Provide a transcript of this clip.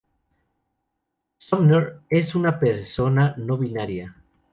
Sumner es una persona no binaria.